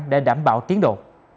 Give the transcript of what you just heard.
để đảm bảo tiến độ